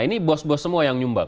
ini bos bos semua yang nyumbang